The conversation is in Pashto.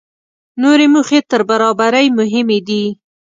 نورې موخې تر برابرۍ مهمې دي.